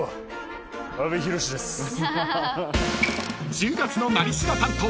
［１０月の「なり調」担当］